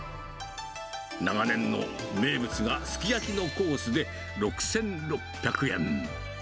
長年の名物がすき焼きのコースで６６００円。